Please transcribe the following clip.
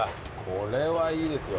これはいいですよ。